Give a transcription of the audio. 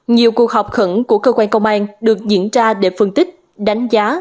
nhiều cuộc họp khẩn của cơ quan công an được diễn ra để phân tích đánh giá